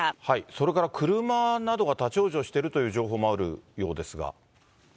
それから車などが立往生しているという情報もあるようですが。